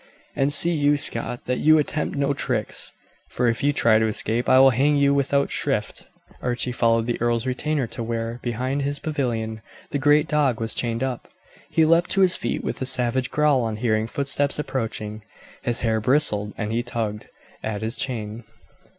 And see you Scot, that you attempt no tricks, for if you try to escape I will hang you without shrift." Archie followed the earl's retainer to where, behind his pavilion, the great dog was chained up. He leapt to his feet with a savage growl on hearing footsteps approaching. His hair bristled and he tugged at his chain.